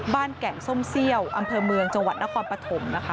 แก่งส้มเซี่ยวอำเภอเมืองจังหวัดนครปฐมนะคะ